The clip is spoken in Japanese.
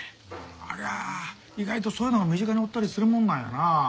あら意外とそういうのが身近におったりするもんなんやな。